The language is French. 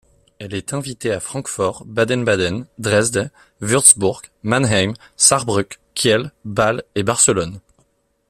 Elle est invitée à Francfort, Baden-Baden, Dresde, Wurtzbourg, Mannheim, Sarrebruck, Kiel, Bâle et Barcelone.